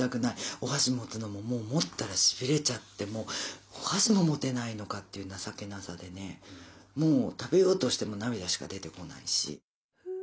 お箸持つのももう持ったらしびれちゃってお箸も持てないのかっていう情けなさでねもう食べようとしても涙しか出てこないし。